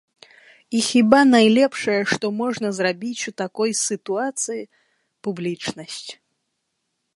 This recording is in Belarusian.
І хіба найлепшае, што можна зрабіць у такой сітуацыі, —публічнасць.